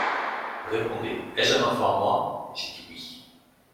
Répondez : Ai-je un enfant à moi ?» J'ai dit oui.